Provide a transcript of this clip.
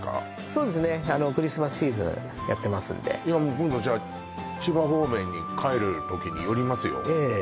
そうですねクリスマスシーズンやってますんで今度じゃあ千葉方面に帰る時に寄りますよ